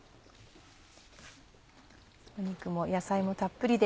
肉も野菜もたっぷりで。